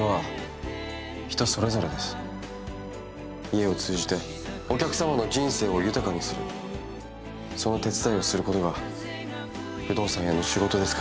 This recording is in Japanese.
家を通じてお客様の人生を豊かにするその手伝いをすることが不動産屋の仕事ですから。